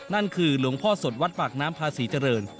นั่นคือหลวงพ่อสดวัดปากน้ำพาศรีเจริญ